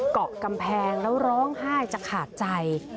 เกาะกำแพงแล้วร้องไห้จะขาดใจ